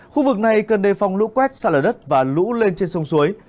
khu vực này cần đề phòng lũ quét sạt lở đất và lũ lên trên sông suối